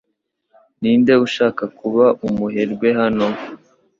Ninde ushaka kuba umuherwe hano